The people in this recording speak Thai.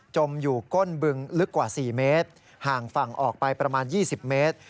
มอยู่ก้นบึงลึกกว่า๔เมตรห่างฝั่งออกไปประมาณ๒๐เมตร